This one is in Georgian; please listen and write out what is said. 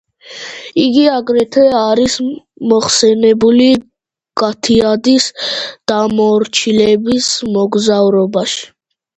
იგი აგრეთვე არის მოხსენიებული „განთიადის დამმორჩილებლის მოგზაურობაში“.